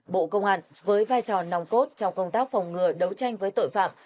bộ công an với vai trò nòng cốt trong công tác phòng ngừa đấu tranh với tội phạm